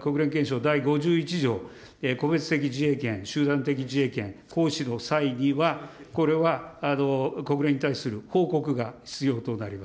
国連憲章第５１条、個別的自衛権、集団的自衛権行使の際には、これは国連に対する報告が必要となります。